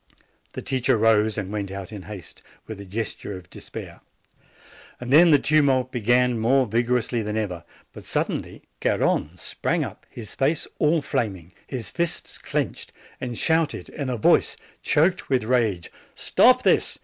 The teacher rose and went out in haste, with a ges ture of despair. Then the tumult began more vig orously than ever. But suddenly Garrone sprang up, his face all flaming, his fists clenched, and shouted in a voice choked with rage: "Stop this!